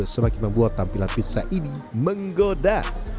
semakin membuat tampilan pizza ini menggoda